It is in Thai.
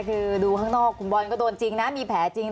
คือดูข้างนอกคุณบอลก็โดนจริงนะมีแผลจริง